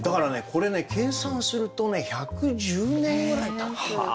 これね計算するとね１１０年ぐらいたってる。